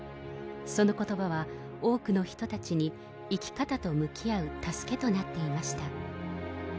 そのことばは、多くの人たちに生き方と向き合う助けとなっていました。